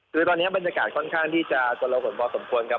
ตอนนี้บรรยากาศค่อนข้างที่จะเจราผลพอสมควรครับ